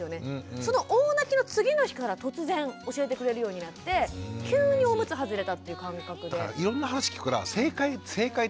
その大泣きの次の日から突然教えてくれるようになって急におむつ外れたっていう感覚で。